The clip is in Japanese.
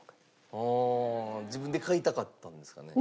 ああー自分で買いたかったんですかね？